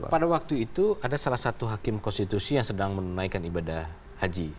pada waktu itu ada salah satu hakim konstitusi yang sedang menunaikan ibadah haji